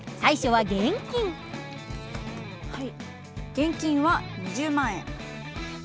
現金は２０万円。